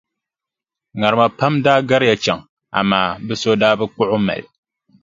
Ŋarima pam daa gariya chaŋ amaa bɛ so daa bi kpuɣi o mali.